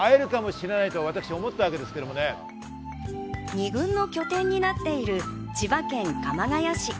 ２軍の拠点になっている千葉県鎌ケ谷市。